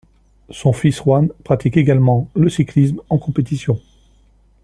Son fils Jan pratique également le cyclisme en compétition.